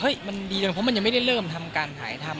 มันดีจนเพราะมันยังไม่ได้เริ่มทำการถ่ายทำ